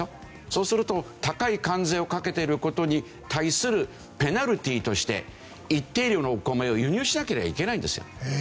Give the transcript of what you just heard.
そうすると高い関税をかけてる事に対するペナルティーとして一定量のお米を輸入しなければいけないんですよ。